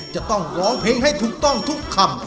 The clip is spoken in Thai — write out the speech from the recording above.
จะต้องร้องเพลงให้ถูกต้องทุกคำ